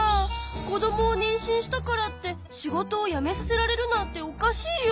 子どもを妊娠したからって仕事を辞めさせられるなんておかしいよ！